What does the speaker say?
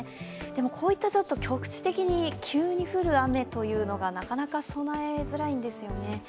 でもこういった局地的に急に降る雨というのがなかなか備えづらいんですよね。